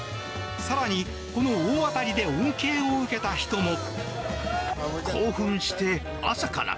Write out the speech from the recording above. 更に、この大当たりで恩恵を受けた人も。